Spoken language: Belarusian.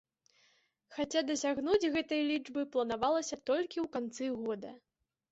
Хаця дасягнуць гэтай лічбы планавалася толькі ў канцы года.